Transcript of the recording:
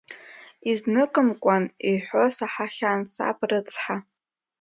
Изныкымкәан иҳәо саҳахьан саб рыцҳа.